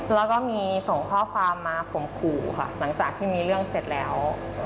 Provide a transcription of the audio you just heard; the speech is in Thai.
แล้วก็มีส่งข้อความมาข่มขู่ค่ะหลังจากที่มีเรื่องเสร็จแล้ว